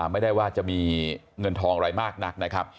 ไม่ได้ว่าจะมีเงินทองอะไรมากนักนะครับ